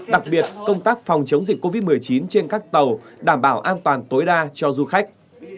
đặc biệt công tác phòng chống dịch covid một mươi chín trên các tàu đảm bảo an toàn tối đa cho du khách